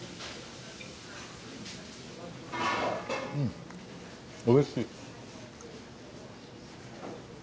うんおいしい。